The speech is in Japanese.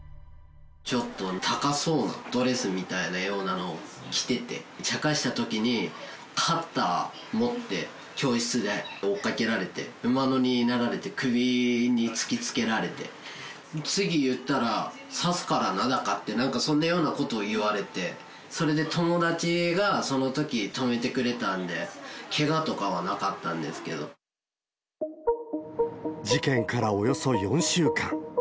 ちょっと高そうなドレスみたいなようなのを着てて、ちゃかしたときに、カッター持って、教室で追っかけられて、馬乗りになられて、首に突きつけられて、次言ったら刺すからなとか、なんかそんなようなことを言われて、それで友達がそのとき止めてくれたんで、けがとかはなかったんで事件からおよそ４週間。